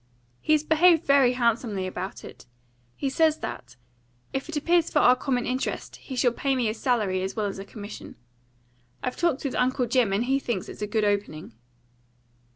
He's behaved very handsomely about it. He says that if it appears for our common interest, he shall pay me a salary as well as a commission. I've talked with Uncle Jim, and he thinks it's a good opening."